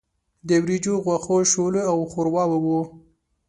د وریجو، غوښو، شولې او ښورواوې وو.